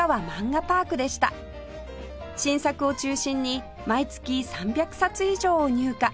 新作を中心に毎月３００冊以上を入荷